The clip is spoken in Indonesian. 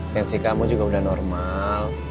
tensi kamu juga udah normal